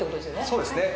そうですね